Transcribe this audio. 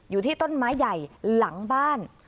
อยู่ที่ต้นไม้ใหญ่หลังบ้าน